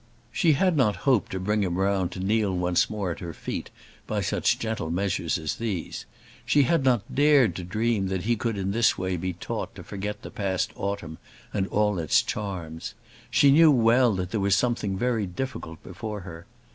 She had not hoped to bring him round to kneel once more at her feet by such gentle measures as these. She had not dared to dream that he could in this way be taught to forget the past autumn and all its charms. She knew well that there was something very difficult before her.